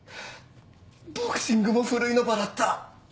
ボクシングもふるいの場だった。